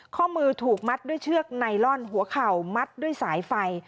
ข้อมือถูกมัดด้วยเชือกไนลอนหัวเข่ามัดด้วยสายไฟ